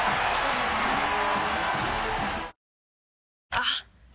あっ！